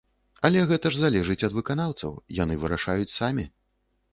Але гэта ж залежыць ад выканаўцаў, яны вырашаюць самі.